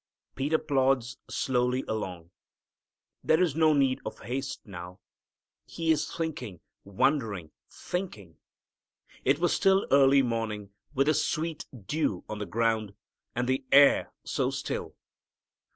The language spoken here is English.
Peter plods slowly along. There is no need of haste now. He is thinking, wondering, thinking. It was still early morning, with the sweet dew on the ground, and the air so still.